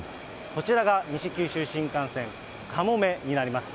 こちらが西九州新幹線かもめになります。